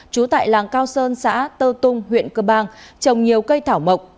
trú tại làng cao sơn xã tơ tung huyện cơ bang trồng nhiều cây thảo mộc